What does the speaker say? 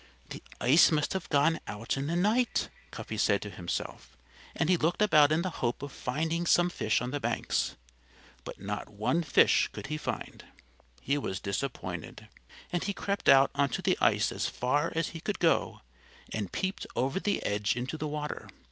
"The ice must have gone out in the night," Cuffy said to himself. And he looked about in the hope of finding some fish on the banks. But not one fish could he find. He was disappointed. And he crept out onto the ice as far as he could go and peeped over the edge into the water.